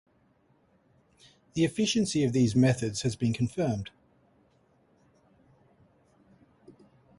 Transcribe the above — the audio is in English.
The efficiency of these methods has been confirmed.